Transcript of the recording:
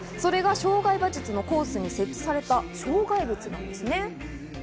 障害馬術のコースに設置された障害物なんですね。